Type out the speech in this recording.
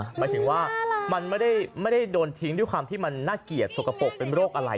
หมายถึงว่ามันไม่ได้โดนทิ้งด้วยความที่มันน่าเกลียดสกปรกเป็นโรคอะไร